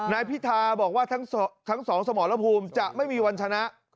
นายพิธาบอกว่าทั้งสองสมรภูมิจะไม่มีวันชนะ